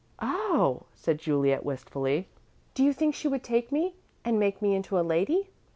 "Oh," said Juliet, wistfully, "do you think she would take me and make me into a lady?"